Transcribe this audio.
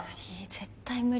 絶対無理。